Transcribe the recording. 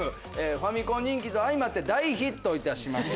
ファミコン人気と相まって大ヒットいたしました。